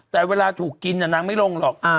แต่เวลาถูกกินนางไม่ลงหรอก